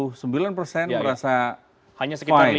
hanya sekitar lima empat persen yang merasa kurang aman